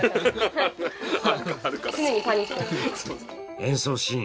演奏シーン